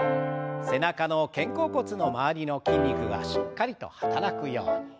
背中の肩甲骨の周りの筋肉がしっかりと働くように。